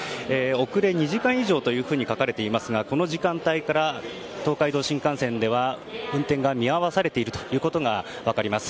遅れ２時間以上というふうに書かれていますがこの時間帯から東海道新幹線では運転が見合わされていることが分かります。